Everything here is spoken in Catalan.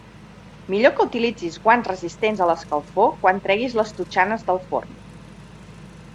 Millor que utilitzis guants resistents a l'escalfor quan treguis les totxanes de forn.